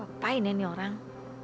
aku apain ya ini orang